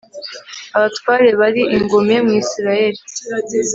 abatware bari ingume muri israheli